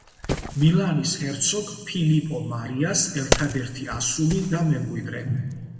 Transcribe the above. მილანის ჰერცოგ ფილიპო მარიას ერთადერთი ასული და მემკვიდრე.